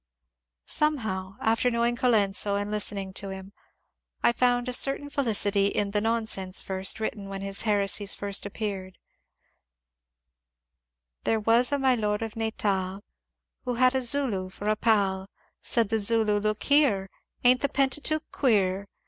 Somehow, after knowing Colenso and listening to him, I found a certain felicity in the ^^ nonsense verse " written when his heresies first appeared :— There was a Mj Lord of Natal Who had a Zula for a pal : Said the Zalu, '* Look here Ain't the Pentateuch queer